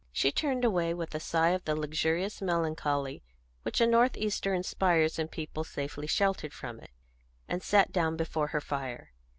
She turned away, with a sigh of the luxurious melancholy which a northeaster inspires in people safely sheltered from it, and sat down before her fire.